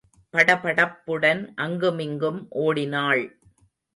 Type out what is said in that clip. படபடப்புடன் அங்குமிங்கும் ஓடினாள்.